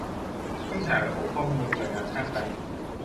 ซึ่งหากระบบข้อมูลหน่วยงานภาครัฐ